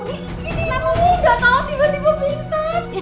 ini ibu udah tau tiba tiba pingsan